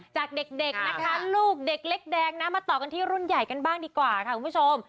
จากเด็กนะคะลูกเด็กเล็กแดงนะมาต่อกันที่รุ่นใหญ่กันบ้างดีกว่าค่ะคุณผู้ชม